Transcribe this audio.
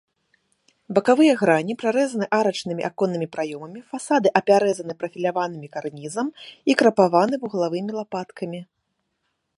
Бакавыя грані прарэзаны арачнымі аконнымі праёмамі, фасады апяразаны прафіляваным карнізам і крапаваны вуглавымі лапаткамі.